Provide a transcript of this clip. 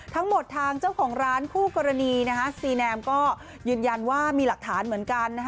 ทางเจ้าของร้านคู่กรณีซีแนมก็ยืนยันว่ามีหลักฐานเหมือนกัน